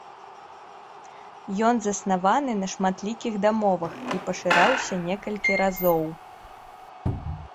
Ён заснаваны на шматлікіх дамовах і пашыраўся некалькі разоў.